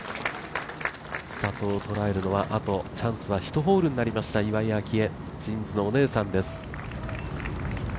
千怜を捉えるのはあとチャンスは１ホールになりました岩井明愛ツインズのお姉さんです。